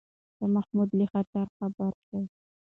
شاه محمود له خطره خبر شو.